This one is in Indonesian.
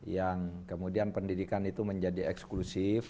yang kemudian pendidikan itu menjadi eksklusif